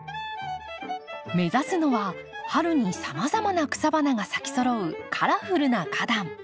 目指すのは春にさまざまな草花が咲きそろうカラフルな花壇。